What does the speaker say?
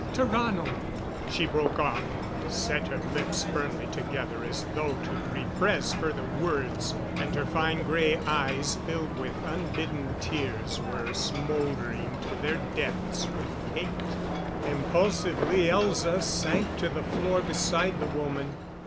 Tarrano " She broke off, set her lips firmly together as though to repress further words; and her fine grey eyes, filled with unbidden tears, were smoldering to their depths with hate. Impulsively Elza sank to the floor beside the woman.